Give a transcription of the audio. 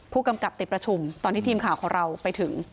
ผู้กำกับติดประชุมตอนที่ทีมข่าวของเราไปถึง